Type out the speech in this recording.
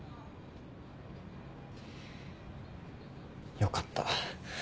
よかった。